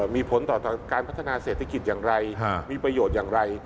มีผลต่อการพัฒนาเศรษฐกิจอย่างไรมีประโยชน์อย่างไร